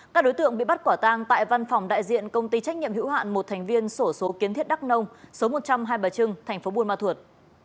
các đối tượng bị bắt quả tang tại văn phòng đại diện công ty trách nhiệm hữu hạn một thành viên sổ số kiến thiết đắk nông số một trăm hai mươi trưng thành phố buôn ma thuột